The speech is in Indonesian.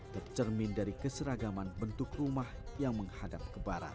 tercermin dari keseragaman bentuk rumah yang menghadap ke barat